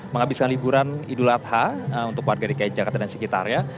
menghabiskan liburan idul adha untuk warga dki jakarta dan sekitarnya